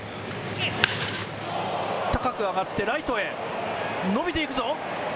高く上がってライトへのびていくぞ。